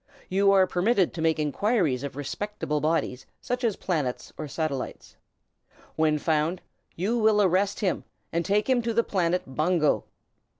You are permitted to make inquiries of respectable bodies, such as planets or satellites. When found, you will arrest him and take him to the planet Bungo.